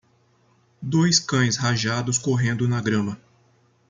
Dois cães rajados correndo na grama.